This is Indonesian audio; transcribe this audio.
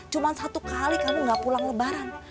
cuma satu kali kamu gak pulang lebaran